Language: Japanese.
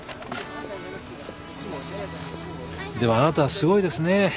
でもあなたはすごいですね。